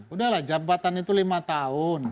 udah lah jabatan itu lima tahun